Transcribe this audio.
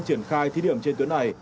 triển khai thí điểm trên tuyến này